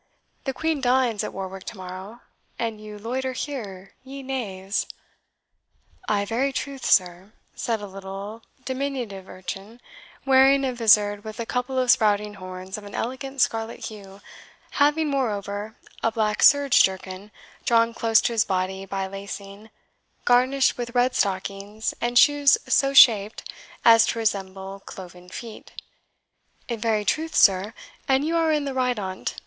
The Queen dines at Warwick to morrow, and you loiter here, ye knaves." "I very truth, sir," said a little, diminutive urchin, wearing a vizard with a couple of sprouting horns of an elegant scarlet hue, having, moreover, a black serge jerkin drawn close to his body by lacing, garnished with red stockings, and shoes so shaped as to resemble cloven feet "in very truth, sir, and you are in the right on't.